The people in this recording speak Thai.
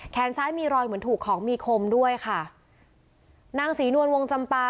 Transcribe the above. ซ้ายมีรอยเหมือนถูกของมีคมด้วยค่ะนางศรีนวลวงจำปา